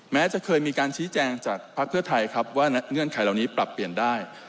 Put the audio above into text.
แม้จะเคยมีการชี้แจงจากภักดิ์เพื่อไทยครับว่าเงื่อนไขเหล่านี้ปรับเปลี่ยนได้